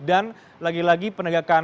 dan lagi lagi penegakan